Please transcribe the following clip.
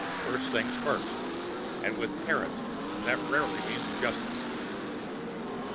First things first, and with Terrans that rarely means justice.